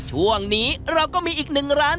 ช่วงนี้เราก็มีอีกหนึ่งร้าน